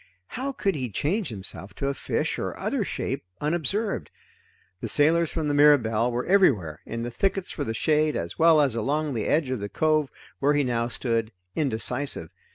How could he change himself to a fish or other shape, unobserved? The sailors from the Mirabelle were everywhere in the thickets for the shade, as well as along the edge of the cove where he now stood, indecisive.